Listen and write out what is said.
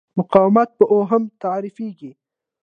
مقاومت په اوهم تعریفېږي.